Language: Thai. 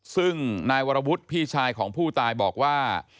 ซึ่งนายวรวุฒิพี่ชายของผู้ตายบอกว่า